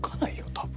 多分。